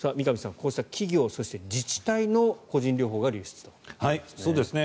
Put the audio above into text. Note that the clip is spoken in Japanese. こうした企業、自治体の個人情報が流出ということですね。